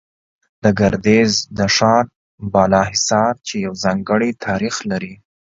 د ګردېز د ښار بالا حصار، چې يو ځانگړى تاريخ لري